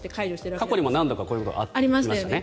過去にも何度かこういうことがありましたね。